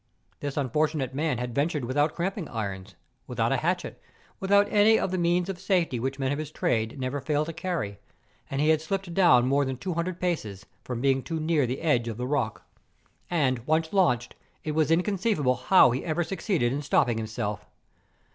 The unfortunate man had ventured with¬ out cramping irons, without a hatchet, without any of the means of safety which men of his trade never fail to carry; and he had slipped down more than two hundred paces, from being too near the edge of the rock. And, once launched, it was inconceivable how he had ever succeeded in stopping himself.